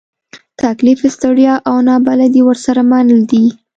تکلیف، ستړیا، او نابلدي ورسره مل دي.